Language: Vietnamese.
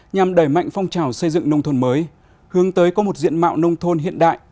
nhằm đẩy mạnh phong trào xây dựng nông thôn mới hướng tới có một diện mạo nông thôn hiện đại